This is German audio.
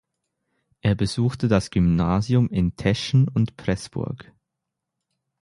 Er besuchte das Gymnasium in Teschen und Preßburg.